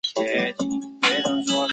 最后阿星也如愿见到赌神高进。